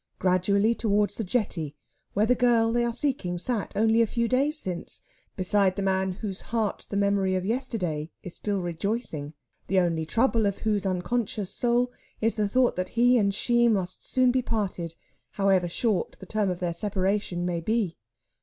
Gradually towards the jetty, where the girl they are seeking sat, only a few days since, beside the man whose heart the memory of yesterday is still rejoicing; the only trouble of whose unconscious soul is the thought that he and she must soon be parted, however short the term of their separation may be.